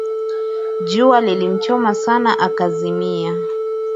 Jua lilimchoma sana akazimia